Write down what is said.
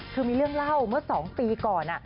คือมีเรื่องเล่าเมื่อ๒ปีก่อน